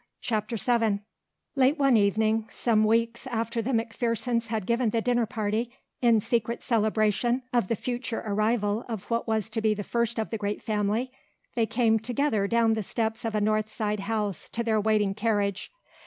CHAPTER VII Late one evening, some weeks after the McPhersons had given the dinner party in secret celebration of the future arrival of what was to be the first of the great family, they came together down the steps of a north side house to their waiting carriage.